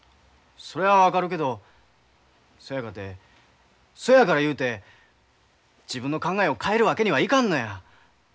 それは分かるけどそやかてそやからいうて自分の考えを変えるわけにはいかんのや！